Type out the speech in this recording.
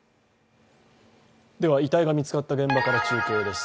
では遺体が見つかった現場から中継です。